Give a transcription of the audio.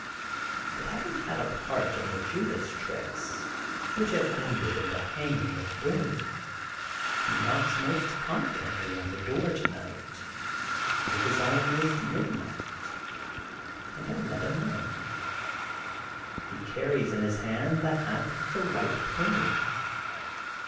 But having had a part ;n the Judas tricks which have ended in the hanging of Boone, he knocks most confidently on the door to night, when it is almost midnight, and I let him in. He carries in his hand the hat with the white plume.